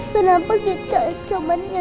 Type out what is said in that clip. kenapa kecocokan yang disini pak